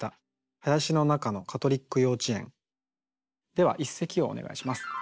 では一席をお願いします。